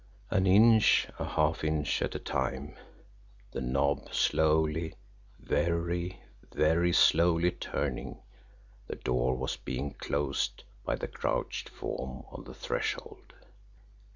An inch, a half inch at a time, the knob slowly, very, very slowly turning, the door was being closed by the crouched form on the threshold.